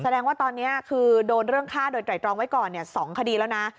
แสดงว่าตอนนี้คือโดนเรื่องฆ่าโดยไตรตรองไว้ก่อน๒คดีแล้วนะ